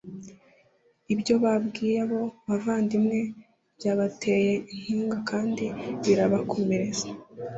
ibyo babwiye abo bavandimwe byabateye inkunga kandi birabakomeza